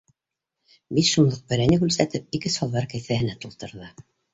Биш һумлыҡ перәник үлсәтеп, ике салбар кеҫәһенә тултырҙы.